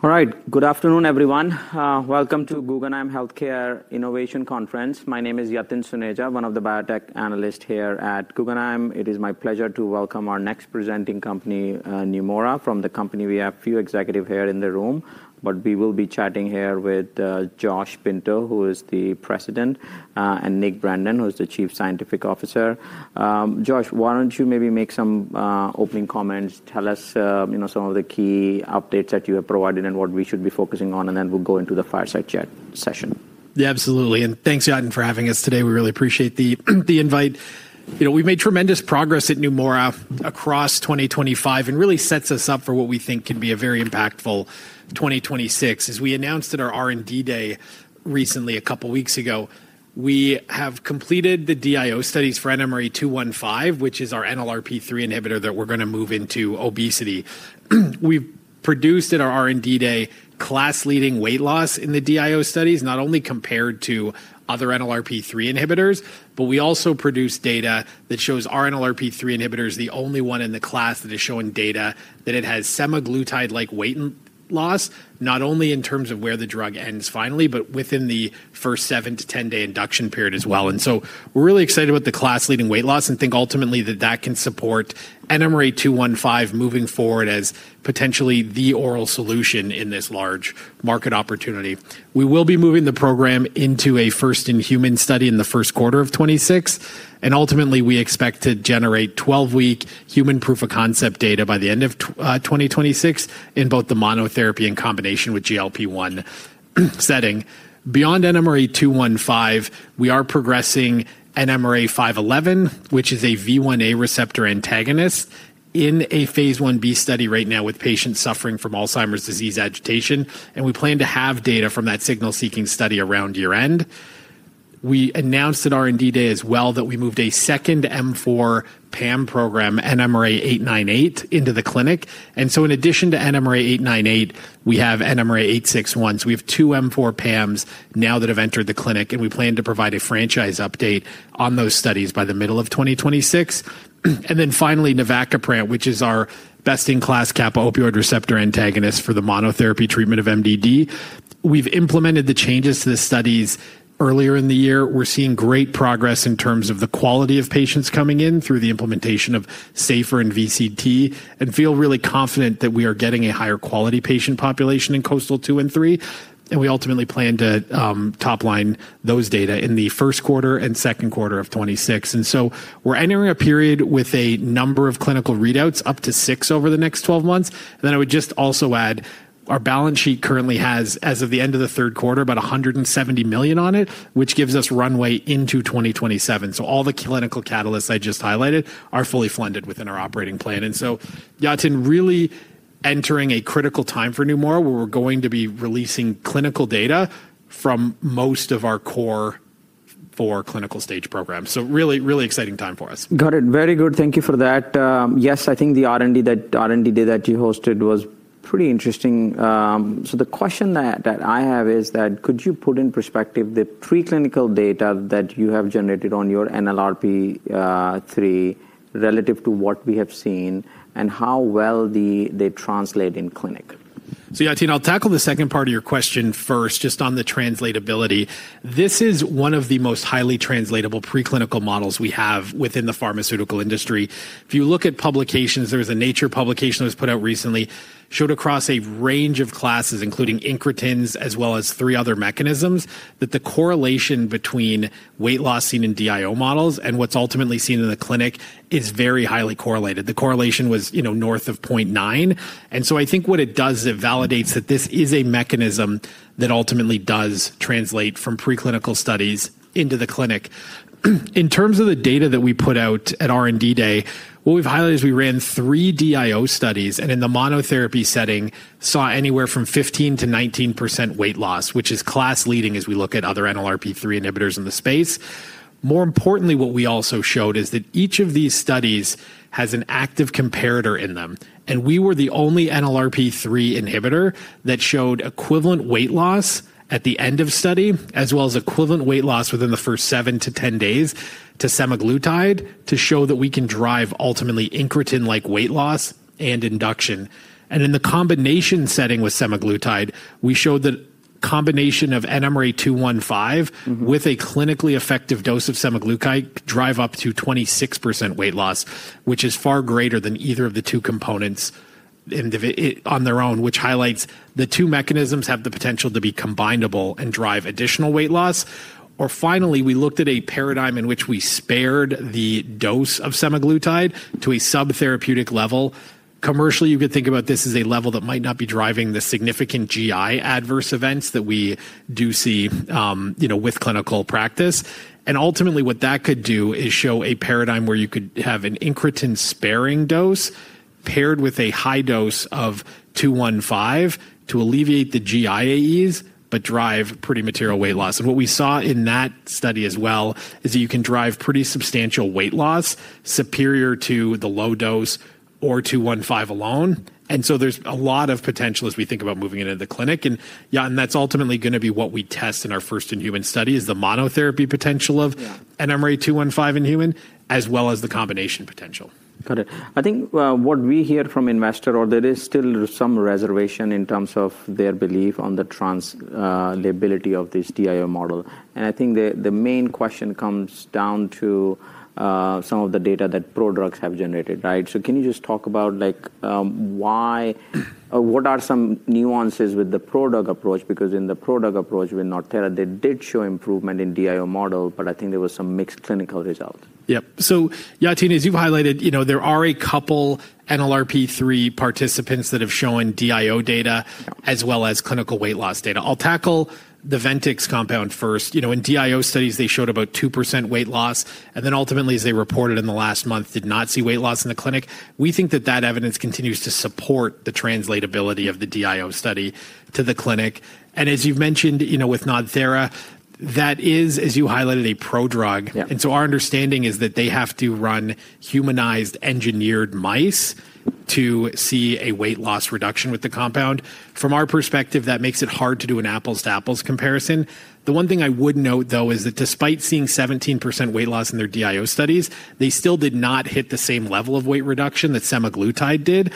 All right. Good afternoon, everyone. Welcome to Guggenheim Healthcare Innovation Conference. My name is Yatin Suneja, one of the Biotech Analysts here at Guggenheim. It is my pleasure to welcome our next presenting company, Neumora. From the company, we have a few executives here in the room, but we will be chatting here with Josh Pinto, who is the President, and Nick Brandon, who is the Chief Scientific Officer. Josh, why don't you maybe make some opening comments? Tell us some of the key updates that you have provided and what we should be focusing on, and then we'll go into the fireside chat session. Yeah, absolutely. Thanks, Yatin, for having us today. We really appreciate the invite. We've made tremendous progress at Neumora across 2025 and really set us up for what we think can be a very impactful 2026. As we announced at our R&D day recently, a couple of weeks ago, we have completed the DIO studies for NMRA-215, which is our NLRP3 inhibitor that we're going to move into obesity. We produced at our R&D day class-leading weight loss in the DIO studies, not only compared to other NLRP3 inhibitors, but we also produced data that shows our NLRP3 inhibitor is the only one in the class that is showing data that it has semaglutide-like weight loss, not only in terms of where the drug ends finally, but within the first 7-10 day induction period as well. We're really excited about the class-leading weight loss and think ultimately that that can support NMRI-215 moving forward as potentially the oral solution in this large market opportunity. We will be moving the program into a first-in-human study in the first quarter of 2026. Ultimately, we expect to generate 12-week human proof-of-concept data by the end of 2026 in both the monotherapy and combination with GLP-1 setting. Beyond NMRI-215, we are progressing NMRI-511, which is a V1a receptor antagonist, in a phase IB study right now with patients suffering from Alzheimer's disease agitation. We plan to have data from that signal-seeking study around year-end. We announced at R&D day as well that we moved a second M4 PAM program, NMRI-898, into the clinic. In addition to NMRI-898, we have NMRI-861. We have two M4 PAMs now that have entered the clinic. We plan to provide a franchise update on those studies by the middle of 2026. Finally, navacaprant, which is our best-in-class kappa opioid receptor antagonist for the monotherapy treatment of MDD. We've implemented the changes to the studies earlier in the year. We're seeing great progress in terms of the quality of patients coming in through the implementation of SAFER and VCT and feel really confident that we are getting a higher quality patient population in KOASTAL-II and III. We ultimately plan to topline those data in the first quarter and second quarter of 2026. We're entering a period with a number of clinical readouts, up to six over the next 12 months. I would just also add our balance sheet currently has, as of the end of the third quarter, about $170 million on it, which gives us runway into 2027. All the clinical catalysts I just highlighted are fully funded within our operating plan. Yatin, really entering a critical time for Neumora where we're going to be releasing clinical data from most of our core four clinical-stage programs. Really, really exciting time for us. Got it. Very good. Thank you for that. Yes, I think the R&D day that you hosted was pretty interesting. The question that I have is that could you put in perspective the preclinical data that you have generated on your NLRP3 relative to what we have seen and how well they translate in clinic? Yatin, I'll tackle the second part of your question first, just on the translatability. This is one of the most highly translatable preclinical models we have within the pharmaceutical industry. If you look at publications, there is a Nature publication that was put out recently, showed across a range of classes, including incretins as well as three other mechanisms, that the correlation between weight loss seen in DIO models and what is ultimately seen in the clinic is very highly correlated. The correlation was north of 0.9. I think what it does is it validates that this is a mechanism that ultimately does translate from preclinical studies into the clinic. In terms of the data that we put out at R&D day, what we've highlighted is we ran three DIO studies and in the monotherapy setting saw anywhere from 15%-19% weight loss, which is class-leading as we look at other NLRP3 inhibitors in the space. More importantly, what we also showed is that each of these studies has an active comparator in them. We were the only NLRP3 inhibitor that showed equivalent weight loss at the end of study, as well as equivalent weight loss within the first 7 days-10 days to semaglutide to show that we can drive ultimately incretin-like weight loss and induction. In the combination setting with semaglutide, we showed that combination of NMRI-215 with a clinically effective dose of semaglutide could drive up to 26% weight loss, which is far greater than either of the two components on their own, which highlights the two mechanisms have the potential to be combinable and drive additional weight loss. Finally, we looked at a paradigm in which we spared the dose of semaglutide to a subtherapeutic level. Commercially, you could think about this as a level that might not be driving the significant GI adverse events that we do see with clinical practice. Ultimately, what that could do is show a paradigm where you could have an incretin-sparing dose paired with a high dose of 215 to alleviate the GIAEs but drive pretty material weight loss. What we saw in that study as well is that you can drive pretty substantial weight loss superior to the low dose or 215 alone. There is a lot of potential as we think about moving it into the clinic. That is ultimately going to be what we test in our first-in-human study, the monotherapy potential of NMRA-215 in humans as well as the combination potential. Got it. I think what we hear from investors, or there is still some reservation in terms of their belief on the translatability of this DIO model. I think the main question comes down to some of the data that prodrugs have generated, right? Can you just talk about what are some nuances with the prodrug approach? Because in the prodrug approach with NodThera, they did show improvement in DIO model, but I think there were some mixed clinical results. Yep. Yatin, as you've highlighted, there are a couple NLRP3 participants that have shown DIO data as well as clinical weight loss data. I'll tackle the Ventyx compound first. In DIO studies, they showed about 2% weight loss. Ultimately, as they reported in the last month, did not see weight loss in the clinic. We think that that evidence continues to support the translatability of the DIO study to the clinic. As you've mentioned with NodThera, that is, as you highlighted, a prodrug. Our understanding is that they have to run humanized engineered mice to see a weight loss reduction with the compound. From our perspective, that makes it hard to do an apples-to-apples comparison. The one thing I would note, though, is that despite seeing 17% weight loss in their DIO studies, they still did not hit the same level of weight reduction that semaglutide did.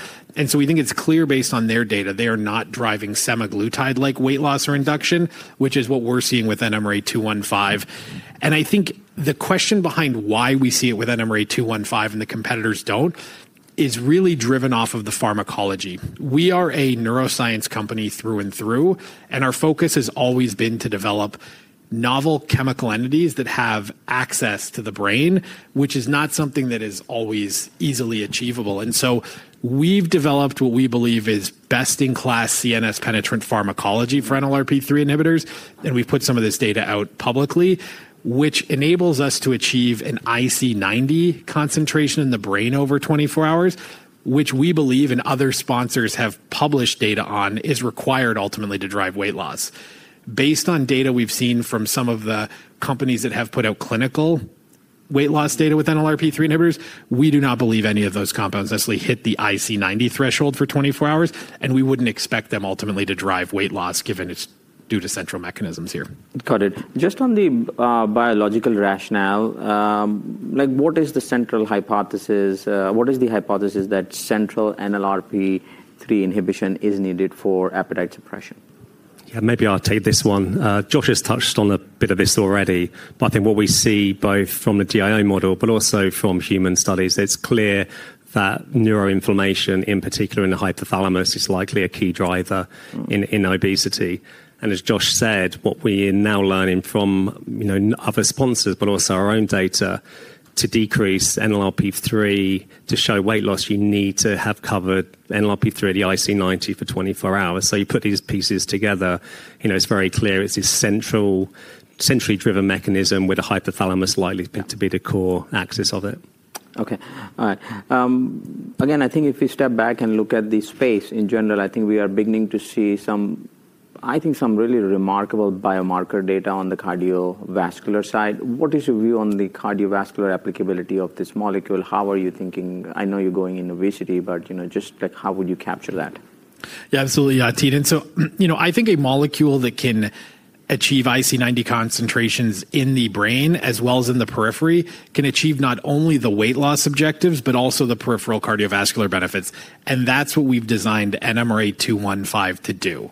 We think it's clear based on their data, they are not driving semaglutide-like weight loss or induction, which is what we're seeing with NMRA-215. I think the question behind why we see it with NMRA-215 and the competitors don't is really driven off of the pharmacology. We are a neuroscience company through and through, and our focus has always been to develop novel chemical entities that have access to the brain, which is not something that is always easily achievable. We have developed what we believe is best-in-class CNS-penetrant pharmacology for NLRP3 inhibitors. We've put some of this data out publicly, which enables us to achieve an IC90 concentration in the brain over 24 hours, which we believe and other sponsors have published data on is required ultimately to drive weight loss. Based on data we've seen from some of the companies that have put out clinical weight loss data with NLRP3 inhibitors, we do not believe any of those compounds necessarily hit the IC90 threshold for 24 hours. We wouldn't expect them ultimately to drive weight loss given it's due to central mechanisms here. Got it. Just on the biological rationale, what is the central hypothesis? What is the hypothesis that central NLRP3 inhibition is needed for appetite suppression? Yeah, maybe I'll take this one. Josh has touched on a bit of this already. I think what we see both from the DIO model, but also from human studies, it's clear that neuroinflammation, in particular in the hypothalamus, is likely a key driver in obesity. As Josh said, what we are now learning from other sponsors, but also our own data, to decrease NLRP3 to show weight loss, you need to have covered NLRP3 at the IC90 for 24 hours. You put these pieces together, it's very clear it's a centrally driven mechanism with the hypothalamus likely to be the core axis of it. Okay. All right. Again, I think if we step back and look at the space in general, I think we are beginning to see some, I think some really remarkable biomarker data on the cardiovascular side. What is your view on the cardiovascular applicability of this molecule? How are you thinking? I know you're going into obesity, but just how would you capture that? Yeah, absolutely, Yatin. I think a molecule that can achieve IC90 concentrations in the brain as well as in the periphery can achieve not only the weight loss objectives, but also the peripheral cardiovascular benefits. That is what we have designed NMRA-215 to do.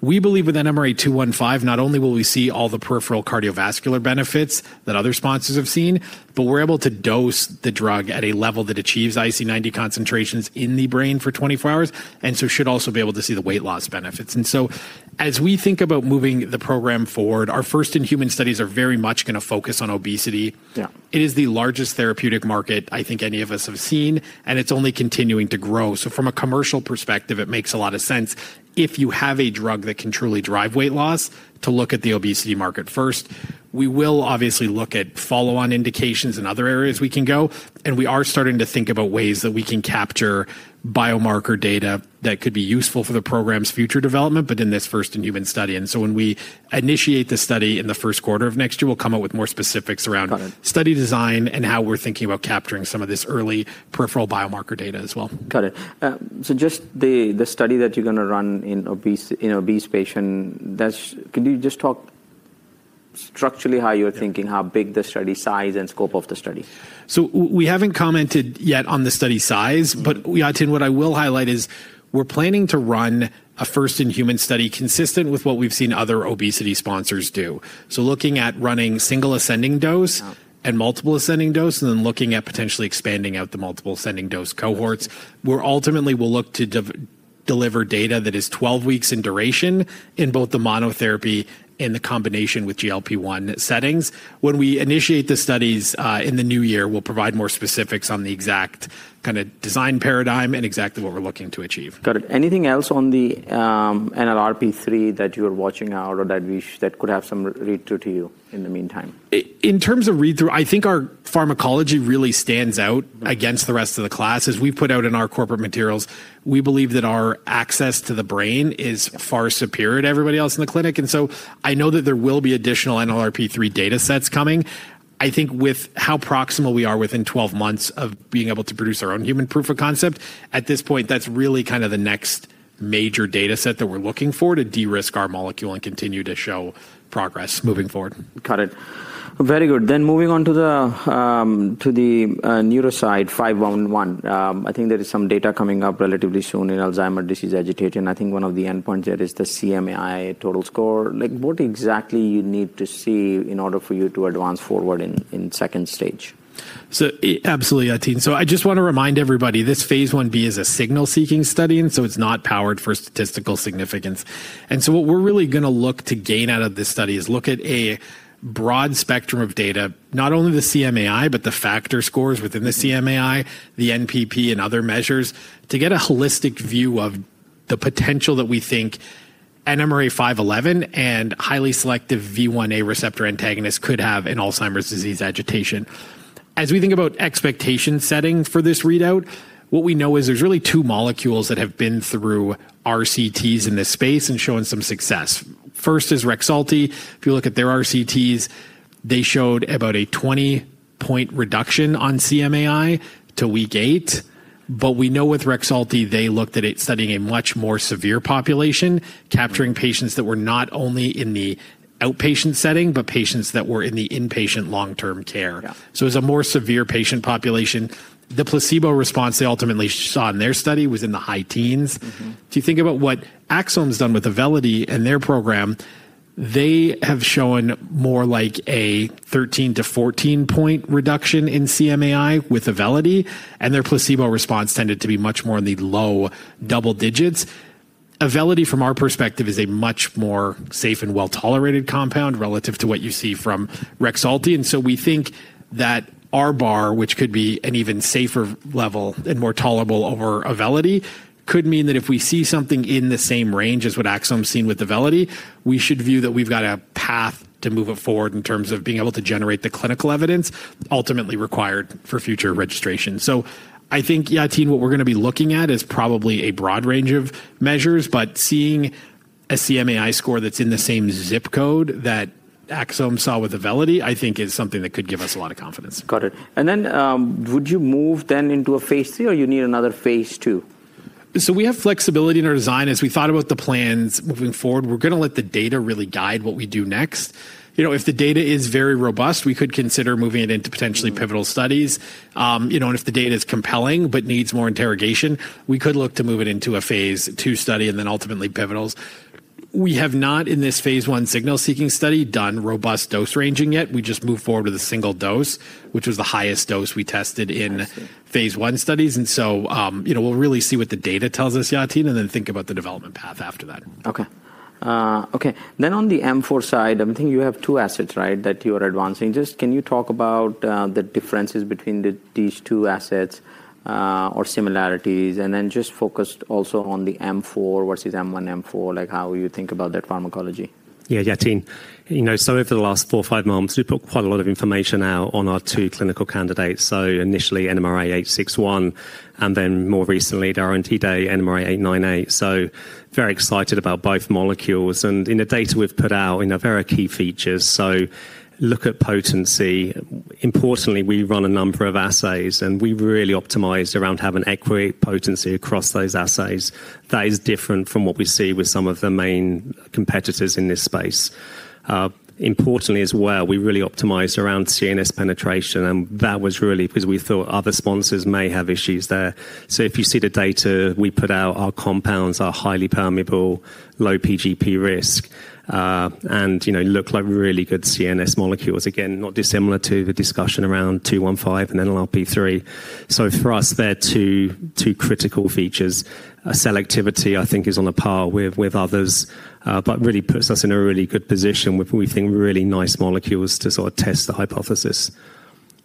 We believe with NMRA-215, not only will we see all the peripheral cardiovascular benefits that other sponsors have seen, but we are able to dose the drug at a level that achieves IC90 concentrations in the brain for 24 hours. It should also be able to see the weight loss benefits. As we think about moving the program forward, our first-in-human studies are very much going to focus on obesity. It is the largest therapeutic market I think any of us have seen, and it is only continuing to grow. From a commercial perspective, it makes a lot of sense if you have a drug that can truly drive weight loss to look at the obesity market first. We will obviously look at follow-on indications and other areas we can go. We are starting to think about ways that we can capture biomarker data that could be useful for the program's future development, but in this first-in-human study. When we initiate the study in the first quarter of next year, we'll come up with more specifics around study design and how we're thinking about capturing some of this early peripheral biomarker data as well. Got it. So just the study that you're going to run in obese patients, can you just talk structurally how you're thinking, how big the study size and scope of the study? We have not commented yet on the study size. Yatin, what I will highlight is we are planning to run a first-in-human study consistent with what we have seen other obesity sponsors do. We are looking at running single ascending dose and multiple ascending dose, and then looking at potentially expanding out the multiple ascending dose cohorts, where ultimately we will look to deliver data that is 12 weeks in duration in both the monotherapy and the combination with GLP-1 settings. When we initiate the studies in the new year, we will provide more specifics on the exact kind of design paradigm and exactly what we are looking to achieve. Got it. Anything else on the NLRP3 that you're watching out or that could have some read-through to you in the meantime? In terms of read-through, I think our pharmacology really stands out against the rest of the class. As we've put out in our corporate materials, we believe that our access to the brain is far superior to everybody else in the clinic. I know that there will be additional NLRP3 data sets coming. I think with how proximal we are within 12 months of being able to produce our own human proof of concept, at this point, that's really kind of the next major data set that we're looking for to de-risk our molecule and continue to show progress moving forward. Got it. Very good. Moving on to the neuro side 511. I think there is some data coming up relatively soon in Alzheimer's disease agitation. I think one of the endpoints there is the CMAI total score. What exactly do you need to see in order for you to advance forward in second stage? Absolutely, Yatin. I just want to remind everybody, this phase IB is a signal-seeking study, and it is not powered for statistical significance. What we are really going to look to gain out of this study is a broad spectrum of data, not only the CMAI, but the factor scores within the CMAI, the NPP, and other measures to get a holistic view of the potential that we think NMRA-511, a highly selective V1a receptor antagonist, could have in Alzheimer's disease agitation. As we think about expectation setting for this readout, what we know is there are really two molecules that have been through RCTs in this space and shown some success. First is REXULTI. If you look at their RCTs, they showed about a 20-point reduction on CMAI to week eight. We know with REXULTI, they looked at it studying a much more severe population, capturing patients that were not only in the outpatient setting, but patients that were in the inpatient long-term care. It was a more severe patient population. The placebo response they ultimately saw in their study was in the high teens. If you think about what Axsome's done with Auvelity and their program, they have shown more like a 13-point to 14-point reduction in CMAI with Auvelity. Their placebo response tended to be much more in the low double digits. Auvelity, from our perspective, is a much more safe and well-tolerated compound relative to what you see from REXULTI. We think that our bar, which could be an even safer level and more tolerable over Auvelity, could mean that if we see something in the same range as what Axsome has seen with Auvelity, we should view that we have got a path to move it forward in terms of being able to generate the clinical evidence ultimately required for future registration. I think, Yatin, what we are going to be looking at is probably a broad range of measures. Seeing a CMAI score that is in the same zip code that Axsome saw with Auvelity, I think is something that could give us a lot of confidence. Got it. Would you move then into a phase III or you need another phase II? We have flexibility in our design. As we thought about the plans moving forward, we're going to let the data really guide what we do next. If the data is very robust, we could consider moving it into potentially pivotal studies. If the data is compelling but needs more interrogation, we could look to move it into a phase II study and then ultimately pivotals. We have not, in this phase I signal-seeking study, done robust dose ranging yet. We just moved forward with a single dose, which was the highest dose we tested in phase I studies. We'll really see what the data tells us, Yatin, and then think about the development path after that. Okay. Okay. On the M4 side, I think you have two assets, right, that you are advancing. Just can you talk about the differences between these two assets or similarities? Just focus also on the M4 versus M1, M4, like how you think about that pharmacology. Yeah, Yatin. You know, over the last four or five months, we put quite a lot of information out on our two clinical candidates. Initially NMRA-861, and then more recently, during today, NMRA-898. Very excited about both molecules. In the data we've put out, there are key features. Look at potency. Importantly, we run a number of assays, and we really optimized around having equity potency across those assays. That is different from what we see with some of the main competitors in this space. Importantly as well, we really optimized around CNS penetration. That was really because we thought other sponsors may have issues there. If you see the data we put out, our compounds are highly permeable, low PGP risk, and look like really good CNS molecules. Again, not dissimilar to the discussion around 215 and NLRP3. For us, there are two critical features. Selectivity, I think, is on a par with others, but really puts us in a really good position with, we think, really nice molecules to sort of test the hypothesis.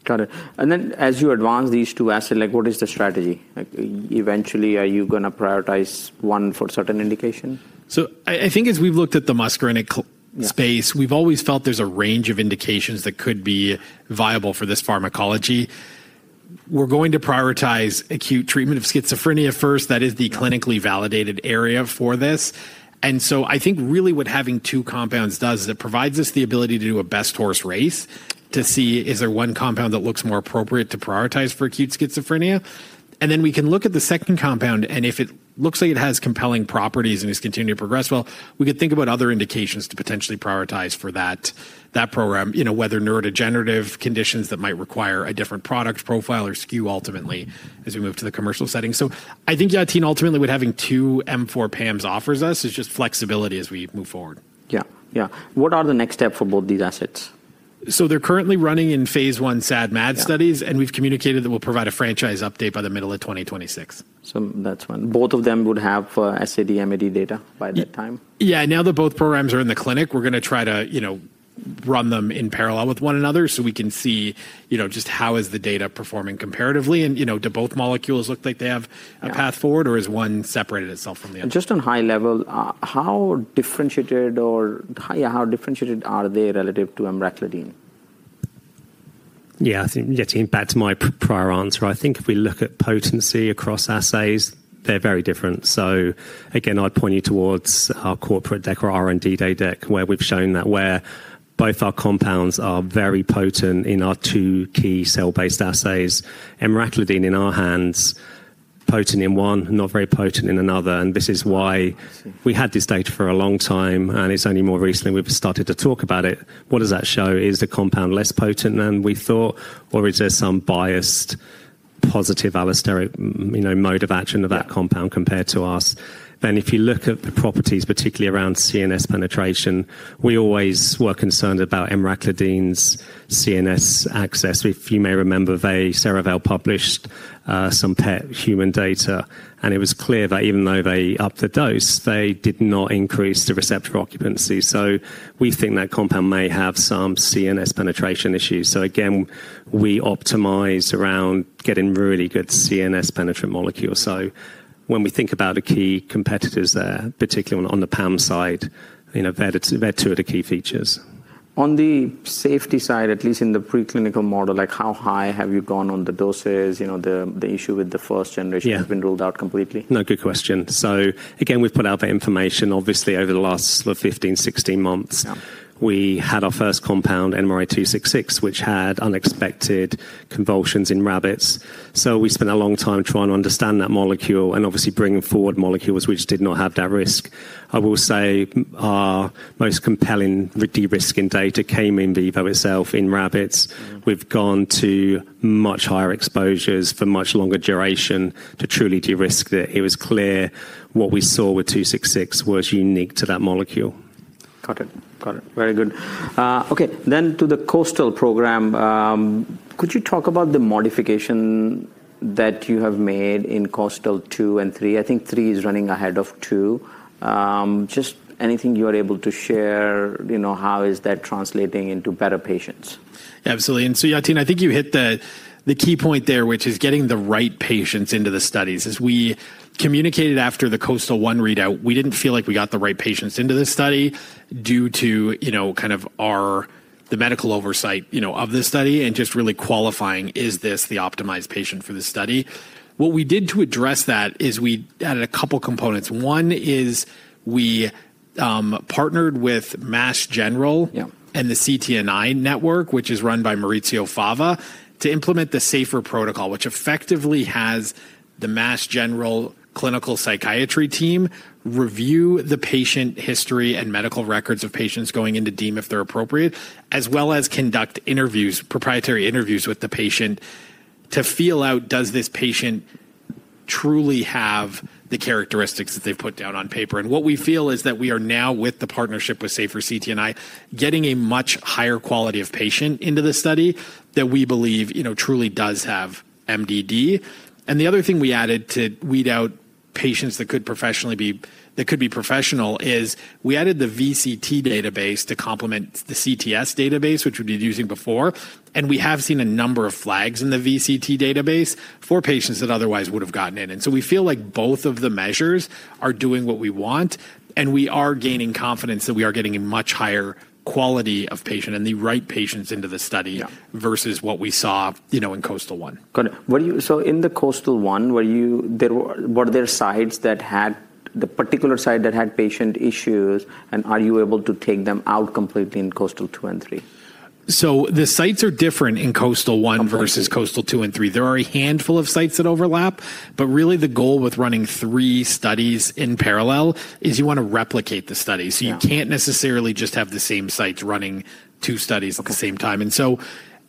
Got it. And then as you advance these two assets, what is the strategy? Eventually, are you going to prioritize one for a certain indication? I think as we've looked at the muscarinic space, we've always felt there's a range of indications that could be viable for this pharmacology. We're going to prioritize acute treatment of schizophrenia first. That is the clinically validated area for this. I think really what having two compounds does is it provides us the ability to do a best horse race to see, is there one compound that looks more appropriate to prioritize for acute schizophrenia? Then we can look at the second compound. If it looks like it has compelling properties and is continuing to progress well, we could think about other indications to potentially prioritize for that program, whether neurodegenerative conditions that might require a different product profile or SKU ultimately as we move to the commercial setting. I think, Yatin, ultimately what having two M4 PAMs offers us is just flexibility as we move forward. Yeah, yeah. What are the next steps for both these assets? They're currently running in phase I SAD/MAD studies, and we've communicated that we'll provide a franchise update by the middle of 2026. That's one. Both of them would have SAD/MAD data by that time? Yeah. Now that both programs are in the clinic, we're going to try to run them in parallel with one another so we can see just how is the data performing comparatively. Do both molecules look like they have a path forward, or is one separated itself from the other? Just on high level, how differentiated or how differentiated are they relative to Emraclidine? Yeah, Yatin, back to my prior answer. I think if we look at potency across assays, they're very different. I’d point you towards our corporate deck, our R&D day deck, where we've shown that both our compounds are very potent in our two key cell-based assays. Emraclidine in our hands, potent in one, not very potent in another. This is why we had this data for a long time, and it's only more recently we've started to talk about it. What does that show? Is the compound less potent than we thought, or is there some biased positive allosteric mode of action of that compound compared to us? If you look at the properties, particularly around CNS penetration, we always were concerned about Emraclidine's CNS access. If you may remember, they, Cerevel published some PET human data, and it was clear that even though they upped the dose, they did not increase the receptor occupancy. We think that compound may have some CNS penetration issues. Again, we optimize around getting really good CNS penetrant molecules. When we think about the key competitors there, particularly on the PAM side, there are two of the key features. On the safety side, at least in the preclinical model, like how high have you gone on the doses? The issue with the first generation has been ruled out completely? Yeah, no, good question. So again, we've put out that information. Obviously, over the last 15, 16 months, we had our first compound, NMRI-266, which had unexpected convulsions in rabbits. So we spent a long time trying to understand that molecule and obviously bringing forward molecules which did not have that risk. I will say our most compelling de-risking data came in vivo itself in rabbits. We've gone to much higher exposures for much longer duration to truly de-risk that. It was clear what we saw with 266 was unique to that molecule. Got it. Got it. Very good. Okay. To the KOASTAL program, could you talk about the modification that you have made in KOASTAL-II and III? I think III is running ahead of II. Just anything you are able to share, how is that translating into better patients? Absolutely. Yatin, I think you hit the key point there, which is getting the right patients into the studies. As we communicated after the KOASTAL-I readout, we did not feel like we got the right patients into this study due to kind of the medical oversight of this study and just really qualifying, is this the optimized patient for this study? What we did to address that is we added a couple of components. One is we partnered with Massachusetts General Hospital and the CTNI network, which is run by Maurizio Fava, to implement the SAFER protocol, which effectively has the Massachusetts General Hospital clinical psychiatry team review the patient history and medical records of patients going into deem if they are appropriate, as well as conduct interviews, proprietary interviews with the patient to feel out, does this patient truly have the characteristics that they have put down on paper? What we feel is that we are now, with the partnership with SAFER CTNI, getting a much higher quality of patient into the study that we believe truly does have MDD. The other thing we added to weed out patients that could be professional is we added the VCT database to complement the CTS database, which we have been using before. We have seen a number of flags in the VCT database for patients that otherwise would have gotten in. We feel like both of the measures are doing what we want, and we are gaining confidence that we are getting a much higher quality of patient and the right patients into the study versus what we saw in KOASTAL-I. Got it. In the KOASTAL-I, were there sites that had the particular site that had patient issues, and are you able to take them out completely in KOASTAL-II and III? The sites are different in KOASTAL-I versus KOASTAL-II and III. There are a handful of sites that overlap, but really the goal with running three studies in parallel is you want to replicate the studies. You cannot necessarily just have the same sites running two studies at the same time.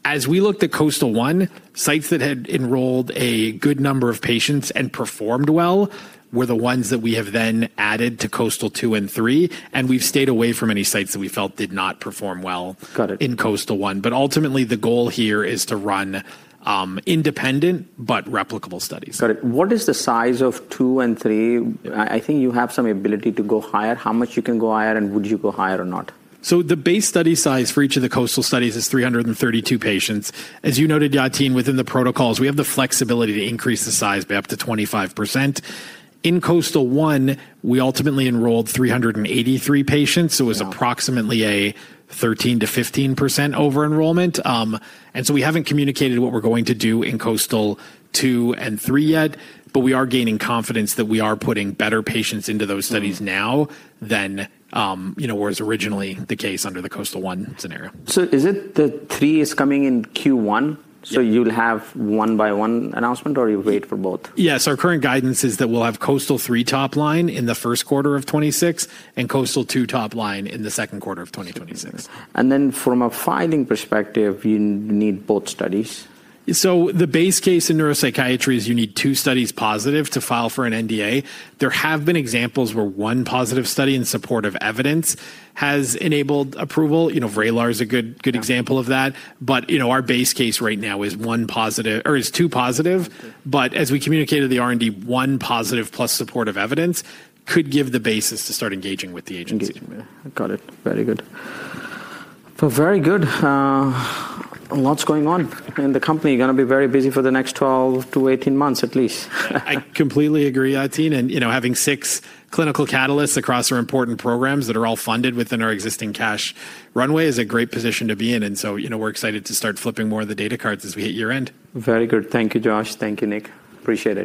As we looked at KOASTAL-I, sites that had enrolled a good number of patients and performed well were the ones that we have then added to KOASTAL-II and III, and we have stayed away from any sites that we felt did not perform well in KOASTAL-I. Ultimately, the goal here is to run independent but replicable studies. Got it. What is the size of II and III? I think you have some ability to go higher. How much you can go higher, and would you go higher or not? The base study size for each of the KOASTAL studies is 332 patients. As you noted, Yatin, within the protocols, we have the flexibility to increase the size by up to 25%. In KOASTAL-I, we ultimately enrolled 383 patients, so it was approximately a 13%-15% over-enrollment. We have not communicated what we are going to do in KOASTAL-II and III yet, but we are gaining confidence that we are putting better patients into those studies now than was originally the case under the KOASTAL-I scenario. Is it that III is coming in Q1? So you'll have one-by-one announcement, or you wait for both? Yes. Our current guidance is that we'll have KOASTAL-III top line in the first quarter of 2026 and KOASTAL-II top line in the second quarter of 2026. From a filing perspective, you need both studies? The base case in neuropsychiatry is you need two studies positive to file for an NDA. There have been examples where one positive study and supportive evidence has enabled approval. VRAYLAR is a good example of that. Our base case right now is two positive. As we communicated to the R&D, one positive plus supportive evidence could give the basis to start engaging with the agency. Engaging with them. Got it. Very good. Very good. Lots going on. The company is going to be very busy for the next 12 months to 18 months at least. I completely agree, Yatin. Having six clinical catalysts across our important programs that are all funded within our existing cash runway is a great position to be in. We are excited to start flipping more of the data cards as we hit year-end. Very good. Thank you, Josh. Thank you, Nick. Appreciate it.